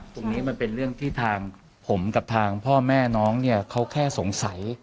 มันเป็นเรื่องที่ทางผมกับทางพ่อแม่น้องเนี่ยเขาแค่สงสัย